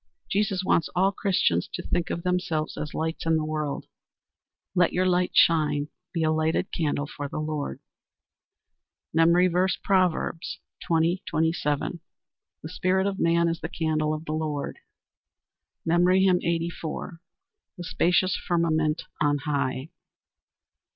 Jesus wants all Christians to think of themselves as lights in the world. "Let your light shine." Be a lighted candle for the Lord. MEMORY VERSE, Proverbs 20: 27 "The spirit of man is the candle of the Lord." MEMORY HYMN _"The spacious firmament on high."